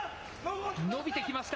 伸びてきました。